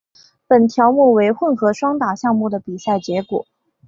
本条目为混合双打项目的比赛结果。